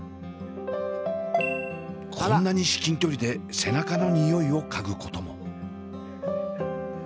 こんなに至近距離で背中の匂いを嗅ぐことも。